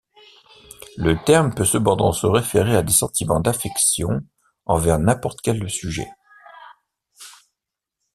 Le terme peut cependant se référer à des sentiments d'affection envers n'importe quel sujet.